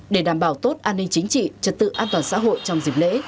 để đảm bảo tốt an ninh chính trị trật tự an toàn xã hội trong dịp lễ